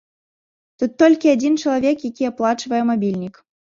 Тут толькі адзін чалавек, які аплачвае мабільнік.